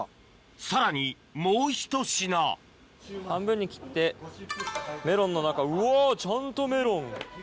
さらにもうひと品半分に切ってメロンの中うわちゃんとメロン。